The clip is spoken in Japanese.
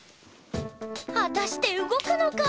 果たして動くのか？